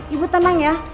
ibu tenang ya